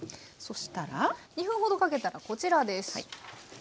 そしたら２分ほどかけたらこちらです。